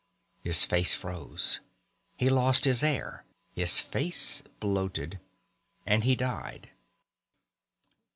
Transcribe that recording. His face froze. He lost his air. His face bloated. And he died.